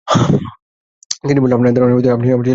তিনি বললেন, আপনার ধারণা আপনি আপনার ছেলের কান্না শুনতে পান?